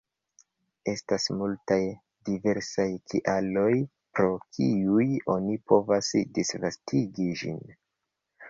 Estas multaj diversaj kialoj, pro kiuj oni provas disvastigi ĝin.